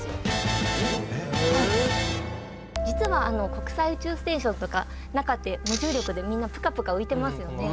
実は国際宇宙ステーションとかの中って無重力でみんなぷかぷか浮いてますよね。